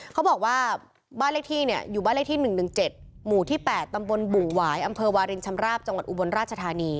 เขาบอกว่าบ้านเลขที่เนี่ยอยู่บ้านเลขที่๑๑๗หมู่ที่๘ตำบลบุ่งหวายอำเภอวารินชำราบจังหวัดอุบลราชธานี